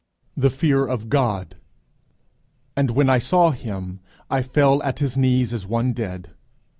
THE FEAR OF GOD. _'And when I saw him, I fell at his feet as one dead.